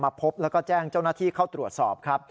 พบแล้วก็แจ้งเจ้าหน้าที่เข้าตรวจสอบครับ